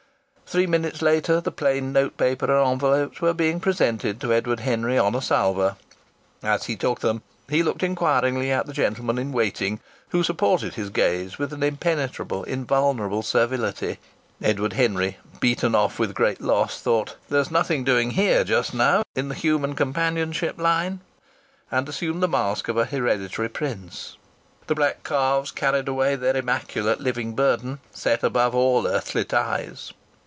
Three minutes later the plain note paper and envelopes were being presented to Edward Henry on a salver. As he took them he looked inquiringly at the gentleman in waiting, who supported his gaze with an impenetrable, invulnerable servility. Edward Henry, beaten off with great loss, thought: "There's nothing doing here just now in the human companionship line," and assumed the mask of a hereditary prince. The black calves carried away their immaculate living burden, set above all earthly ties.